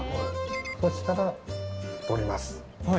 そしたら取ります。